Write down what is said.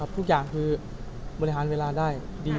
ทุกอย่างคือบริหารเวลาได้ดี